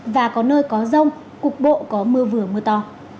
và có nơi có rông cục bộ có mưa vừa mưa to